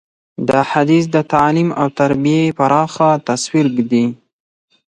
دا حدیث د تعلیم او تربیې پراخه تصویر ږدي.